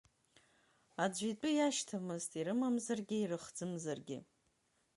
Аӡәы итәы иашьҭамызт ирымамзаргьы, ирыхӡымзаргьы…